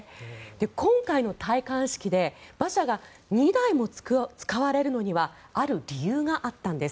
今回の戴冠式で馬車が２台も使われるのにはある理由があったんです。